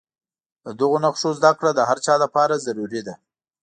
د دغو نښو زده کړه د هر چا لپاره ضروري ده.